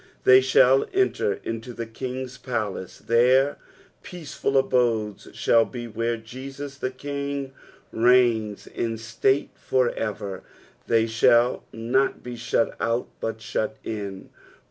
"They thaU enter into the Sing'a palaee." Their peace ful abodes shall bo where Jesus the King reigns in state for ever. Tlicy shall not be shut out but shut in.